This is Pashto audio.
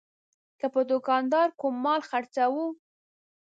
که به دوکاندار کوم مال خرڅاوه.